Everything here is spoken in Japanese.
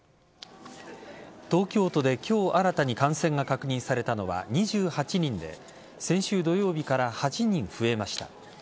東京都で今日新たに感染が確認されたのは２８人で先週土曜日から８人増えました。